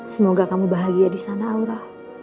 semoga kamu bahagia disana aura